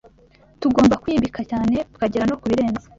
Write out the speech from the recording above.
tugomba kwimbika cyane tukagera no ku birenze